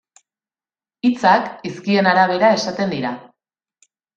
Hitzak hizkien arabera esaten dira.